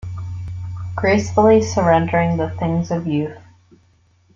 Gracefully surrendering the things of youth.